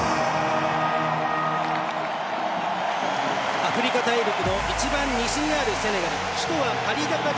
アフリカ大陸の一番西にあるセネガル。